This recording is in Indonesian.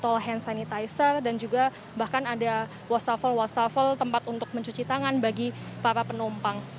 atau hand sanitizer dan juga bahkan ada wastafel wastafel tempat untuk mencuci tangan bagi para penumpang